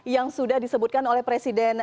yang sudah disebutkan oleh presiden